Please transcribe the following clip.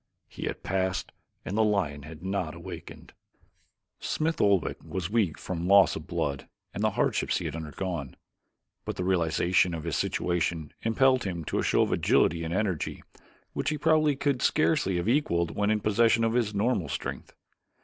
He had passed and the lion had not awakened. Smith Oldwick was weak from loss of blood and the hardships he had undergone, but the realization of his situation impelled him to a show of agility and energy which he probably could scarcely have equaled when in possession of his normal strength.